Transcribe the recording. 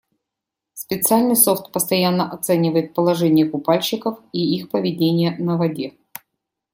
Специальный софт постоянно оценивает положение купальщиков и их поведение на воде.